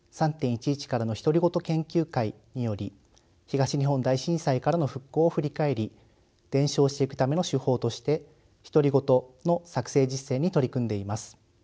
研究会により東日本大震災からの復興を振り返り伝承していくための手法として独り言の作成実践に取り組んでいます。